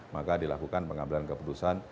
maka dilakukan pengambilan keputusan